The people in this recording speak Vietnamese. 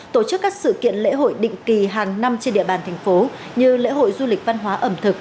tổ chức các sự kiện lễ hội định kỳ hàng năm trên địa bàn thành phố như lễ hội du lịch văn hóa ẩm thực